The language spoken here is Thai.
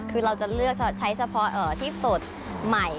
คือเราจะเลือกใช้เฉพาะที่สดใหม่